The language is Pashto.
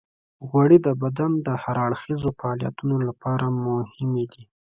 غوړې د بدن د هر اړخیزو فعالیتونو لپاره مهمې دي.